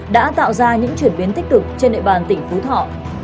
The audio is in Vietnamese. đã tạo ra những chuyển biến tích cực trên địa bàn tỉnh phú thọ